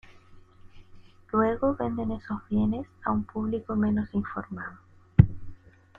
Luego venden esos bienes a un público menos informado.